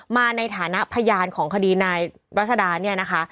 มาในฐานะพยานของคดีนายรัชดาเนี่ยนะคะ